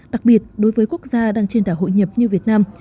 đặc biệt đối với quốc gia đang trên đảo hội nhập như việt nam